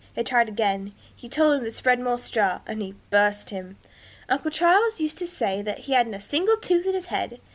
They tried again; he told them to spread more straw, and he 'burst' him. Uncle Charles used to say that he hadn't a single tooth in his head.